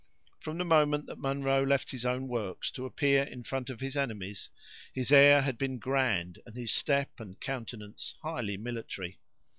From the moment that Munro left his own works to appear in front of his enemy's, his air had been grand, and his step and countenance highly military.